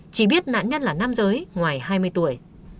chỉ biết nạn nhân là nam giới ngoài hai mươi tuổi